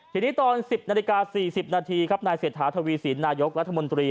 ทีนี้ตอน๑๐นาฬิกา๔๐นาทีครับนายเศรษฐาทวีสินนายกรัฐมนตรี